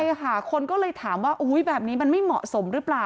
ใช่ค่ะคนก็เลยถามว่าแบบนี้มันไม่เหมาะสมหรือเปล่า